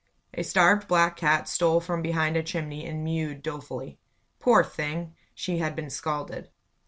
A starved, black cat stole from behind a chimney and mewed dolefully. Poor thing! She had been scalded.